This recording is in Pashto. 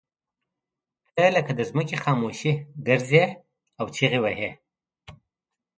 ته لکه د ځمکې خاموشي ګرځې او چغې وهې.